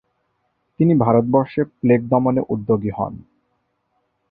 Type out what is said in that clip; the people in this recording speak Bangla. তিনি ভারতবর্ষে প্লেগ দমনে উদ্যোগী হন।